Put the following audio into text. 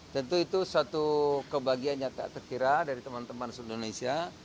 tentu itu suatu kebahagiaan yang tak terkira dari teman teman seluruh indonesia